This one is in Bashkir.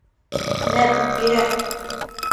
Нәб ирә.